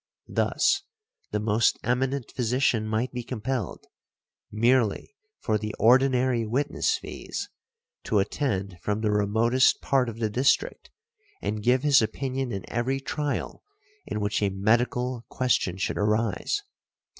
Thus, the most eminent physician might be compelled, merely for the ordinary witness fees, to attend from the remotest part of the district, and give his opinion in every trial in which a medical question should arise.